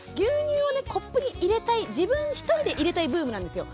コップに入れたい自分一人で入れたいブームなんですよ。